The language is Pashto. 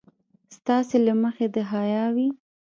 ستاسې له مخې د حيا وي.